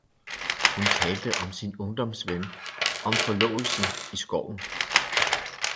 hun talte om sin ungdoms ven, om forlovelsen i skoven.